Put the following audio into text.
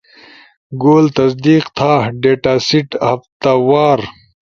گول تصدیق تھا، ڈیٹا سیٹہفتہ وار